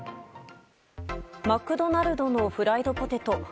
マクドナルドのフライドポテト。